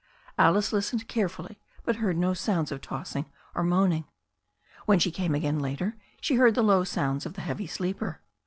Alice listened carefully, but heard no sounds of tossing or moan ing. When she came again later she heard the low sounds of the heavy sleeper.